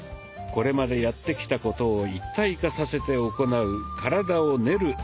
これまでやってきたことを一体化させて行う「体を練る」